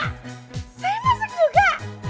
pak saya masuk juga